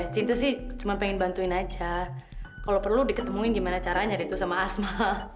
cinta sih cuma pengen bantuin aja kalau perlu diketemuin gimana caranya ritu sama asma